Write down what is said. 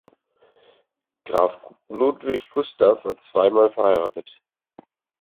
Graf Ludwig Gustav war zweimal verheiratet.